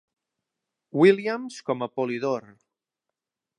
Williams com a Polydore.